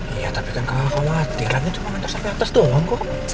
iya tapi kan kakak khawatirannya cuma nanti sampai atas doang